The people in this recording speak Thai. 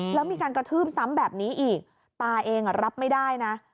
แล้วมีการกระทืบซ้ำแบบนี้อีกตาเองรับไม่ได้นะ